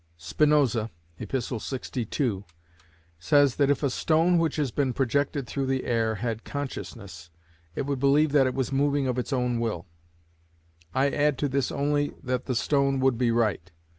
Spinoza (Epist. 62) says that if a stone which has been projected through the air had consciousness, it would believe that it was moving of its own will. I add to this only that the stone would be right.